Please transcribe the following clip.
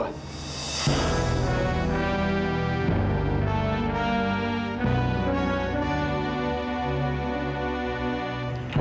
tante ambar itu